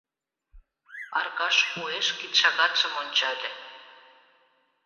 Аркаш уэш кидшагатшым ончале.